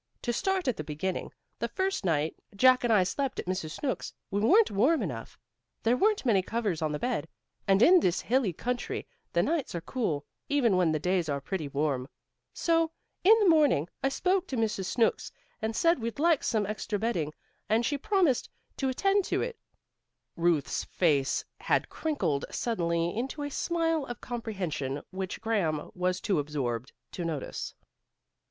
To start at the beginning, the first night Jack and I slept at Mrs. Snooks', we weren't warm enough. There weren't many covers on the bed, and in this hilly country the nights are cool, even when the days are pretty warm. So, in the morning, I spoke to Mrs. Snooks, and said we'd like some extra bedding, and she promised to attend to it." Ruth's face had crinkled suddenly into a smile of comprehension, which Graham was too absorbed to notice.